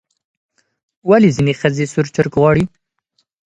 ولې ځینې ښځې سور چرګ غواړي؟